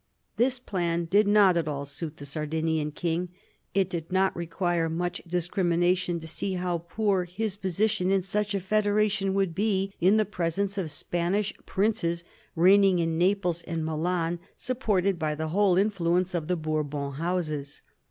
This plan did not at all suit the Sardinian king. It did not require much discrimination to see how poor his 1746 48 WAR OF SUCCESSION 49 position in such a federation would be, in the presence of Spanish princes reigning in Naples and Milan, sup ported by the whole influence of the Bourbon Houses.